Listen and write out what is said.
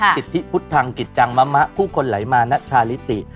สิทธิพุทธทางกิจจังมะมะผู้คนไหลมาณชาลิติ